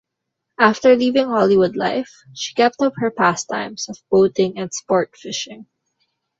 After leaving Hollywood life, she kept up her pastimes of boating and sport fishing.